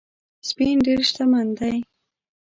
سپین ډېر شتمن دی